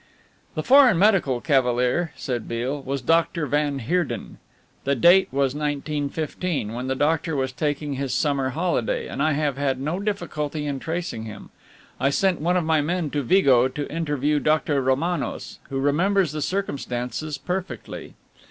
'" "The Foreign Medical Cavalier," said Beale, "was Doctor van Heerden. The date was 1915, when the doctor was taking his summer holiday, and I have had no difficulty in tracing him. I sent one of my men to Vigo to interview Doctor Romanos, who remembers the circumstances perfectly.